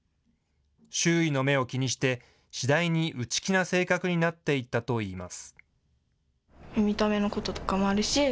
周囲の目を気にして、次第に内気な性格になっていったといいます。